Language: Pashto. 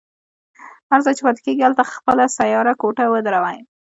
هر ځای چې پاتې کېږي هلته خپله سیاره کوټه ودروي.